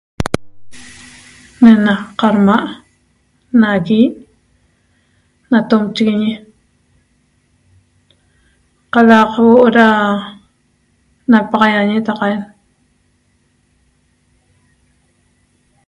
Ne'ena qarma' nagui natomchiguiñi qalaq huo'o naxa ra napaxaiañi taqaen